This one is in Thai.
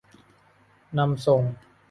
นำส่ง